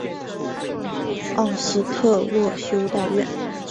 奥斯特洛修道院。